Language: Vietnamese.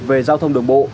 về giao thông đường bộ